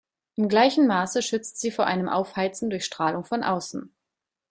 Im gleichen Maße schützt sie vor einem Aufheizen durch Strahlung von außen.